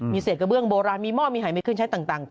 มีเสศเกอร์เบื้องโบราณมีหม้อมีหายไม่เคลื่อ่นใช้ต่าง